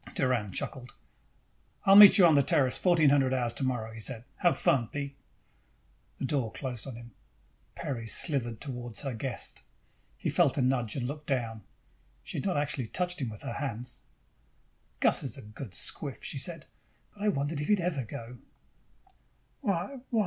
Doran chuckled. "I'll meet you on the Terrace at fourteen hundred hours tomorrow," he said. "Have fun, Pete." The door closed on him. Peri slithered toward her guest. He felt a nudge and looked down. She had not actually touched him with her hands. "Gus is a good squiff," she said, "but I wondered if he'd ever go." "Why, why